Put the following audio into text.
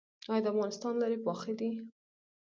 آیا د افغانستان لارې پاخه دي؟